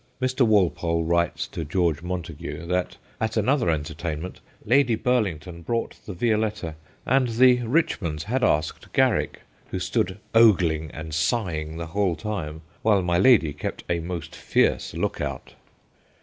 Mr. Walpole writes to George Montagu that, at another entertainment, ' Lady Bur Hngton brought the Violetta, and the Bich monds had asked Garrick, who stood ogling and sighing the whole time, while my Lady kept a most fierce look out.'